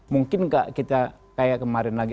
mungkin kita kayak kemarin lagi